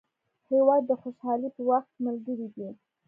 هېواد د خوشحالۍ په وخت ملګری دی.